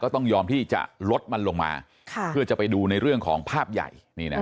ต้องยอมที่จะลดมันลงมาเพื่อจะไปดูในเรื่องของภาพใหญ่